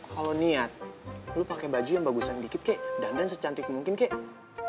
kalo niat lo pake baju yang bagus sedikit kek dandan secantik mungkin kek